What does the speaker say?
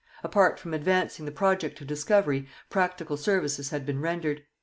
Apart from advancing the project of discovery, practical services had been rendered.